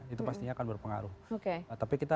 itu pastinya akan berpengaruh tapi kita